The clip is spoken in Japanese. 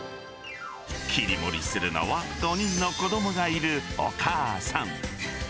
切り盛りするのは、５人の子どもがいるお母さん。